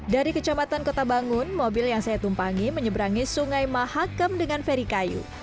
dari kecamatan kota bangun mobil yang saya tumpangi menyeberangi sungai mahakam dengan ferry kayu